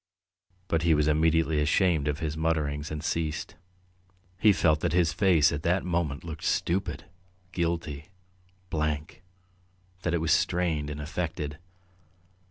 ..." But he was immediately ashamed of his mutterings and ceased. He felt that his face at that moment looked stupid, guilty, blank, that it was strained and affected.